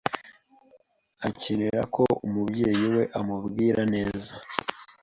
akenera ko umubyeyi we amubwira neza